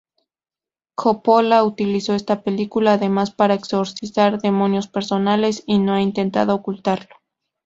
Coppola utilizó esta película, además, para exorcizar demonios personales, y no ha intentado ocultarlo.